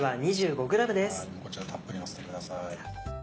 こちらたっぷりのせてください。